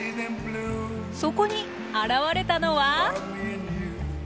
そこに現れたのは？